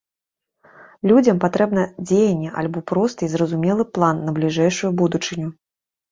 Людзям патрэбна дзеянне альбо просты і зразумелы план на бліжэйшую будучыню.